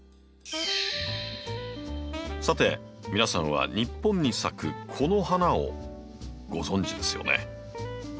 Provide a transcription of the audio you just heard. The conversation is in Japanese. さて皆さんは日本に咲くこの花をご存じですよね。